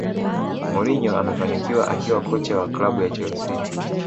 Mourinho amefanikiwa akiwa kocha wa klabu ya chelsea